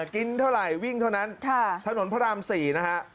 กินเท่าไหร่วิ่งเท่านั้นถนนพระราม๔นะฮะ